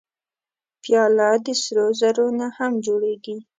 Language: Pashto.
پیاله د سرو زرو نه هم جوړېږي.